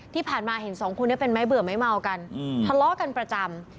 ที่ผ่านมาเห็นสองคนนี้เป็นไม้เบื่อไม้เมากันทะเลาะกันประจำ